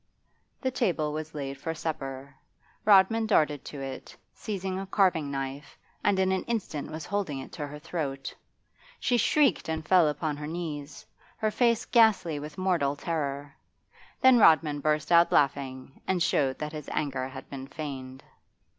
The table was laid for supper. Rodman darted to it, seized a carving knife, and in an instant was holding it to her throat. She shrieked and fell upon her knees, her face ghastly with mortal terror. Then Rodman burst out laughing and showed that his anger had been feigned.